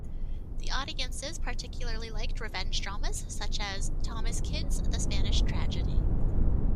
The audiences particularly liked revenge dramas, such as Thomas Kyd's "The Spanish Tragedy".